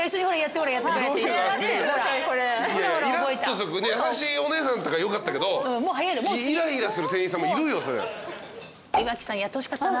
優しいお姉さんだったからよかったけどイライラする店員さんもいるよ。